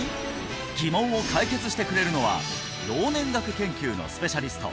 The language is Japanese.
疑問を解決してくれるのは老年学研究のスペシャリスト